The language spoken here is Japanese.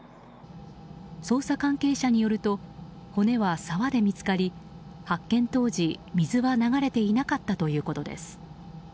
捜査関係者によると骨は沢で見つかり発見当時、水は流れていなかったということです。